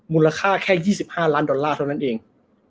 มูลค่าแค่๒๕ล้านดอลลาร์เท่านั้นเอง